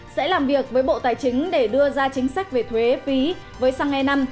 sẽ làm việc với bộ tài chính để đưa ra chính sách về thuế phí với xăng e năm